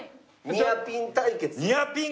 ニアピン対決。